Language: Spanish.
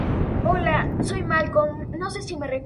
Del matrimonio Arce-Balboa nacerá Diego Arce de Otálora.